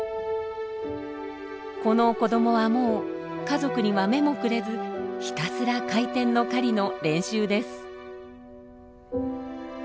この子どもはもう家族には目もくれずひたすら「回転の狩り」の練習です。